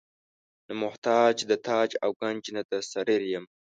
نه محتاج د تاج او ګنج نه د سریر یم.